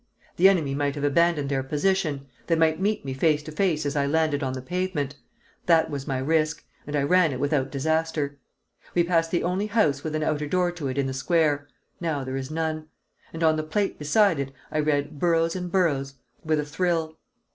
The enemy might have abandoned their position, they might meet me face to face as I landed on the pavement; that was my risk, and I ran it without disaster. We passed the only house with an outer door to it in the square (now there is none), and on the plate beside it I read BURROUGHS AND BURROUGHS with a thrill.